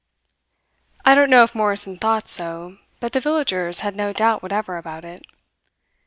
I don't know if Morrison thought so, but the villagers had no doubt whatever about it.